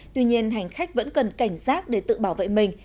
tuy nhiên hành khách vẫn cần cảnh giác để tự bảo vệ mình